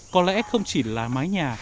có lẽ không chỉ là mái nhà